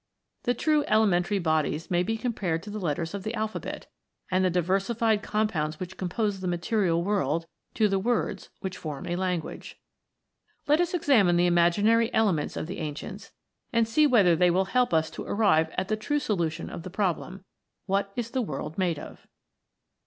The true elementary bodies may be compared to the letters of the alphabet, and the diversified compounds which compose the material world to the words which form a language. Let us examine the imaginary elements of the ancients, and see whether they will help us to arrive at the true solution of the problem what is the world made of?